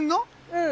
うん。